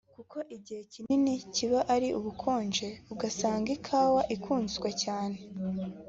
kuko igihe kinini kiba ari ubukonje ugasanga ikawa ikunzwe cyane